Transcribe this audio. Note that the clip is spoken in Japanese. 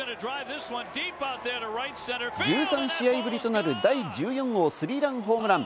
１３試合ぶりとなる第１４号スリーランホームラン！